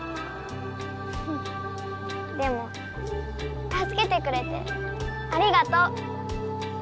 ふふっでもたすけてくれてありがとう。